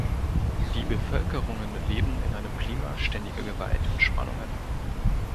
Die Bevölkerungen leben in einem Klima ständiger Gewalt und Spannungen.